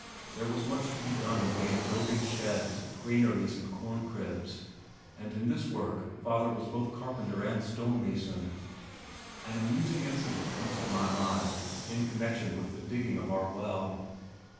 There was much to be done in way of building sheds, granaries and corn cribs and in this work father was both carpenter and stone mason. An amusing incident comes to my mind in connection with the digging of our well.